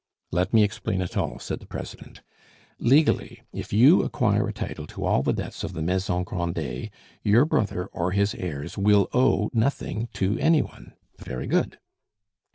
"Let me explain it all," said the president. "Legally, if you acquire a title to all the debts of the Maison Grandet, your brother or his heirs will owe nothing to any one. Very good."